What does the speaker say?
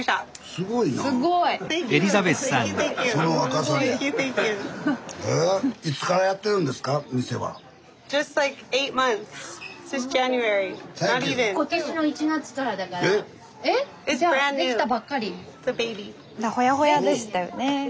スタジオほやほやでしたよね。